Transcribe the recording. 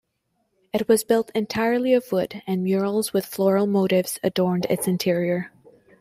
It was built entirely of wood, and murals with floral motifs adorned its interior.